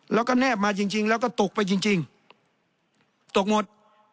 เราก็แนบมาจริงจริงแล้วก็ตกไปจริงจริงตกหมด